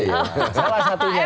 salah satunya ya